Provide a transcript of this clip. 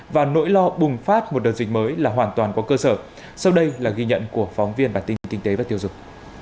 và nỗi lo bùng phát một đợt dịch mới là hoàn toàn có cơ sở sau đây là ghi nhận của phóng viên bản tin kinh tế và tiêu dùng